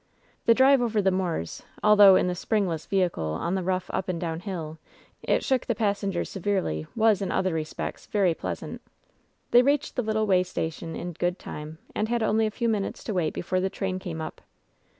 The drive over the moors, although, in the springless vehicle on the rough up and down hill, it shook the pas sengers severely, was, in other respects, very pleasant. They reached the little way station in good time, and had only a few moments to wait before the train came up.